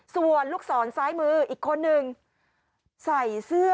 ส่วนลูกศรซ้ายมืออีกคนนึงใส่เสื้อ